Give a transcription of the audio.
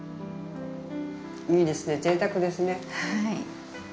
いいですね、ぜいたくですね。